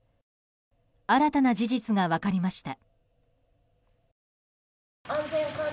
新たな事実が分かりました。